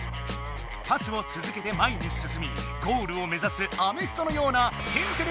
パスをつづけて前にすすみゴールを目ざすアメフトのような「天てれ」